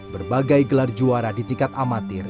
berbagai gelar juara di tingkat amatir